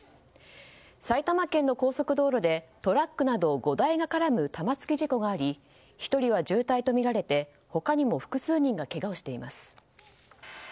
埼玉県の高速道路でトラックなど５台が絡む玉突き事故があり１人は重体とみられて他にも複数人がけがをしています。